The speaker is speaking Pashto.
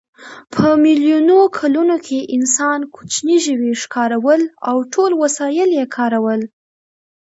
په میلیونو کلونو کې انسان کوچني ژوي ښکارول او ټول وسایل یې کارول.